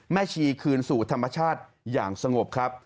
ชีคืนสู่ธรรมชาติอย่างสงบครับ